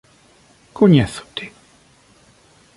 Coñézote?